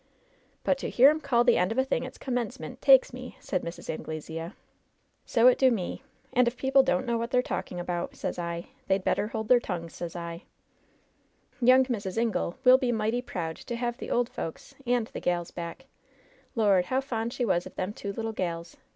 '^ut to hear 'em call the end of a. thing its com* menc^neni, takes me," said Mrs. An^^esea. "So it do Hie. And if people dim't know what they're Sit LOVE'S BITTEREST CUE a talklng about, sez I, they'd better hold their tongues, sezL" "Young Mrs. Ingle will be mighty proud to have the old folks and the gals back. Lord! how fond she was of them two little gals.